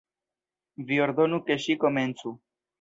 Vi ordonu ke ŝi komencu.